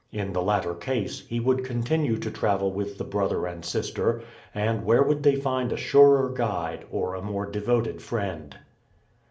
In the latter case, he would continue to travel with the brother and sister; and where would they find a surer guide, or a more devoted friend?